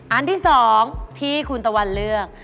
อันที่๒ที่คุณตะวันเลือก